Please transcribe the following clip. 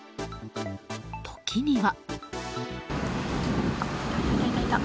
時には。